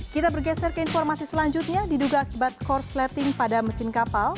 kita bergeser ke informasi selanjutnya diduga akibat korsleting pada mesin kapal